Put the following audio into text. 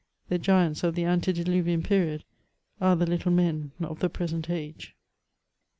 The giants of the antediluvian period are the little men of the present age.